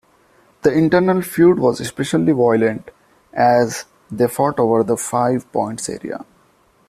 The internal feud was especially violent as they fought over the Five Points area.